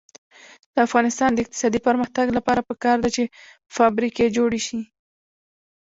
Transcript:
د افغانستان د اقتصادي پرمختګ لپاره پکار ده چې فابریکې جوړې شي.